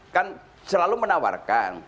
kan selalu menawarkan